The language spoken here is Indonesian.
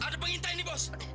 ada pengintai ini bos